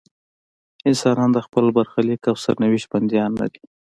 انسانان د خپل برخلیک او سرنوشت بندیان نه دي.